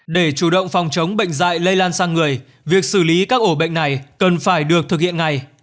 để chủ động phòng chống bệnh dạy lây lan sang người việc xử lý các ổ bệnh này cần phải được thực hiện ngay